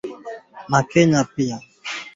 Kikohozi kutoka na maji yaliyo kwenye mapafu